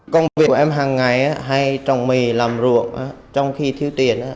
công việc của em hằng ngày hay trồng mì làm ruộng trong khi thiếu tiền